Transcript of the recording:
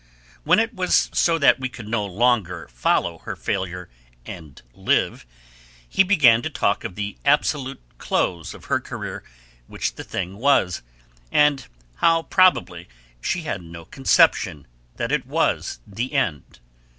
When it was so that we could not longer follow her failure and live, he began to talk of the absolute close of her career which the thing was, and how probably she had no conception that it was the end.